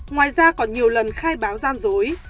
ngoài ra còn nhiều lần khai báo gian dối